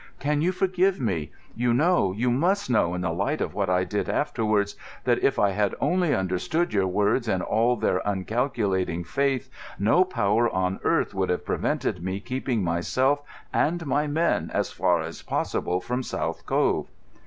Can you forgive me? You know, you must know, in the light of what I did afterwards, that if I had only understood your words in all their uncalculating faith no power on earth would have prevented me keeping myself and my men as far as possible from South Cove."